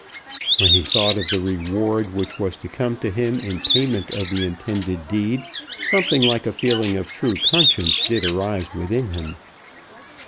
When he thought of the reward which was to come to him in payment of the intended deed something like a feeling of true conscience did arise within him.